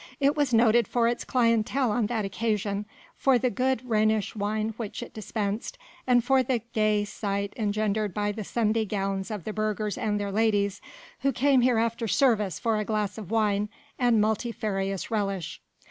It was noted for its clientèle on that occasion, for the good Rhenish wine which it dispensed, and for the gay sight engendered by the Sunday gowns of the burghers and their ladies who came here after service for a glass of wine and multifarious relish.